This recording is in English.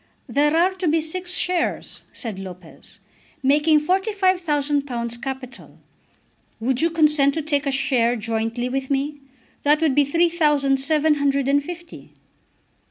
"There are to be six shares," said Lopez, "making £45,000 capital. Would you consent to take a share jointly with me? That would be three thousand seven hundred and fifty."